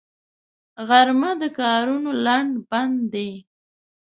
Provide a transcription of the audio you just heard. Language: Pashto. غرمه د کارونو لنډ بند دی